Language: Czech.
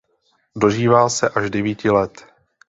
Dožívá se až devíti let.